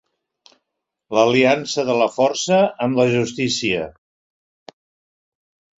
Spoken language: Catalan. L'aliança de la força amb la justícia.